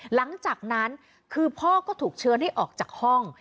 หลังจากนั้นคือพ่อก็ถูกเชิญให้ออกจากห้อง